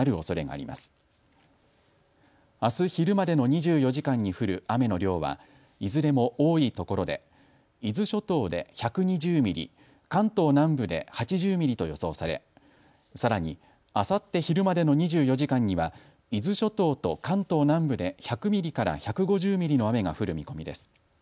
あす昼までの２４時間に降る雨の量はいずれも多いところで伊豆諸島で１２０ミリ、関東南部で８０ミリと予想されさらにあさって昼までの２４時間には伊豆諸島と関東南部で１００ミリから１５０ミリの雨が降る見込みです。